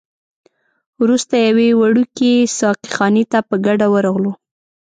وروسته یوې وړوکي ساقي خانې ته په ګډه ورغلو.